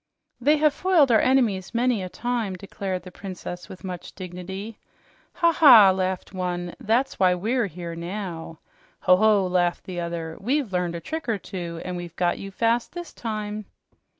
"They have foiled our enemies many a time," declared the Princess with much dignity. "Ha ha!" laughed one. "That's why we're here now." "Ho ho!" laughed the other. "We've learned a trick or two, and we've got you fast this time."